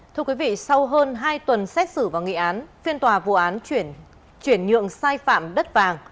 thưa quý vị sau hơn hai tuần xét xử và nghị án phiên tòa vụ án chuyển nhượng sai phạm đất vàng